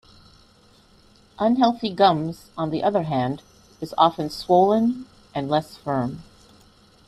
Unhealthy gums, on the other hand, is often swollen and less firm.